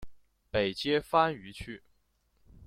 北接番禺区。